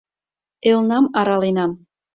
Элнам араленам.